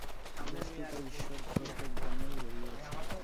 বস্তুত ঈশ্বর প্রত্যেক ধর্মেই রহিয়াছেন।